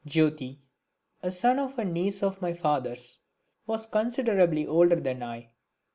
Jyoti, a son of a niece of my father's, was considerably older than I.